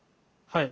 はい。